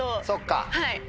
そっか。